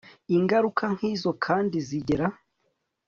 Ingaruka nkizo kandi zigera